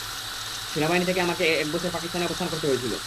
সেনাবাহিনী থেকে আমাকে এক বছর, পাকিস্তানে অবস্থান করতে হয়েছিল।